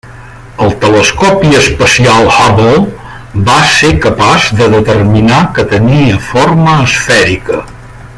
El telescopi espacial Hubble va ser capaç de determinar que tenia forma esfèrica.